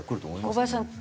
小林さん